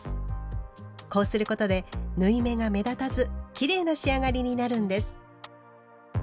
こうすることで縫い目が目立たずきれいな仕上がりになるんです。